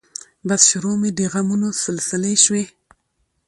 بس شروع مې د غمونو سلسلې شوې